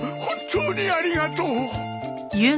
本当にありがとう！